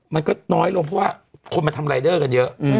แล้วก็น้อยลงเพราะว่าคนมาทำไลเดอร์เกินเยอะ